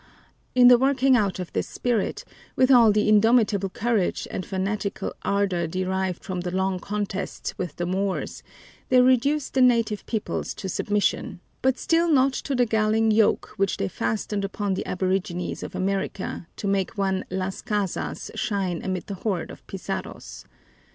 In the working out of this spirit, with all the indomitable courage and fanatical ardor derived from the long contests with the Moors, they reduced the native peoples to submission, but still not to the galling yoke which they fastened upon the aborigines of America, to make one Las Casas shine amid the horde of Pizarros.